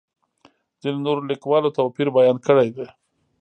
ځینو نورو لیکوالو توپیر بیان کړی دی.